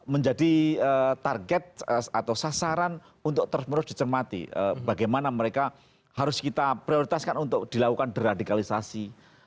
menjadi target atau sasaran untuk terus menerus dicermati bagaimana mereka harus kita prioritaskan untuk dilakukan deradikalisasi